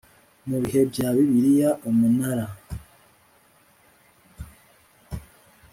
mu bihe bya Bibiliya Umunara